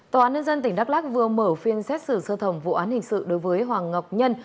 tòa án nhân dân tỉnh đắk lắc vừa mở phiên xét xử sơ thẩm vụ án hình sự đối với hoàng ngọc nhân